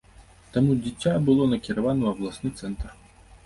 Таму дзіця было накіравана ў абласны цэнтр.